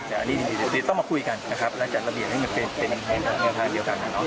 แต่อันนี้ต้องมาคุยกันนะครับและจัดระเบียบให้เป็นราคาเดียวกันนะครับ